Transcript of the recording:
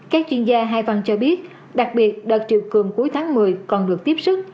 các chuyên gia hai văn cho biết đặc biệt đợt triều cường cuối tháng một mươi còn được tiếp sức